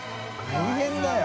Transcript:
大変だよ。